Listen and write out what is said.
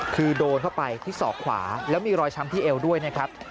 คือโดนเข้าไปที่ศอกขวาแล้วมีรอยช้ำที่เอวด้วยนะครับ